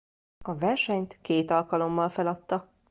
A versenyt két alkalommal feladta.